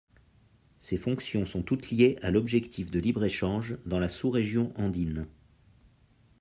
Ses fonctions sont toutes liées à l'objectif de libre-échange dans la sous-région andine.